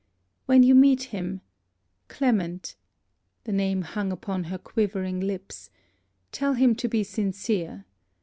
When you meet him Clement' the name hung upon her quivering lips 'tell him to be sincere.